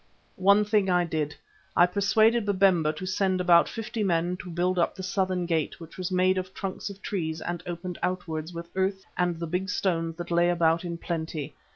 One thing I did. I persuaded Babemba to send about fifty men to build up the southern gate, which was made of trunks of trees and opened outwards, with earth and the big stones that lay about in plenty.